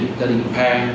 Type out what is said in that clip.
gia đình ở phan